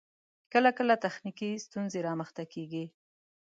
کله کله تخنیکی ستونزې رامخته کیږی